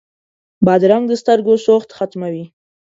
بادرنګ د سترګو سوخت ختموي.